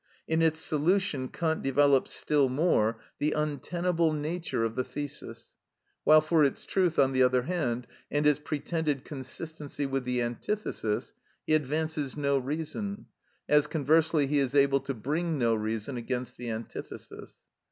In its solution Kant develops still more the untenable nature of the thesis; while for its truth, on the other hand, and its pretended consistency with the antithesis, he advances no reason, as conversely he is able to bring no reason against the antithesis.